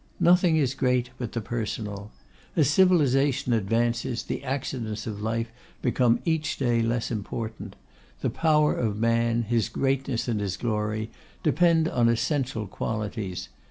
Nothing is great but the personal. As civilisation advances, the accidents of life become each day less important. The power of man, his greatness and his glory, depend on essential qualities.